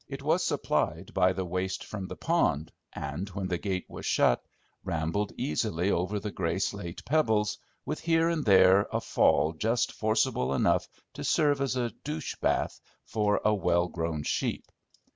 It was supplied by the waste from the pond, and, when the gate was shut, rambled easily over the gray slate pebbles, with here and there a fall just forcible enough to serve as a douche bath for a well grown sheep.